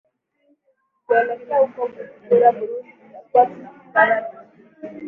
kuelekea huko bujumbura burundi tutakua tunakutana na